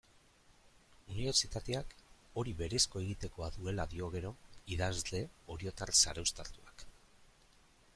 Unibertsitateak hori berezko egitekoa duela dio gero idazle oriotar zarauztartuak.